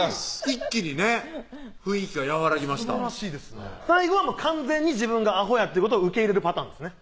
一気にね雰囲気が和らぎました最後は完全に自分がアホやってことを受け入れるパターンですね